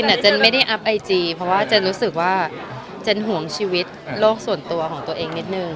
แต่เจนไม่ได้อัพไอจีเพราะว่าเจนรู้สึกว่าเจนห่วงชีวิตโลกส่วนตัวของตัวเองนิดนึง